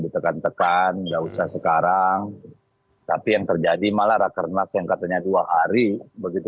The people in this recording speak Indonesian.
ditekan tekan jauh sekarang tapi yang terjadi malah rakyat nasional katanya dua hari begitu